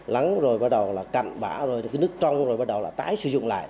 lắng rồi bắt đầu là cạn bã rồi nước trong rồi bắt đầu là tái sử dụng lại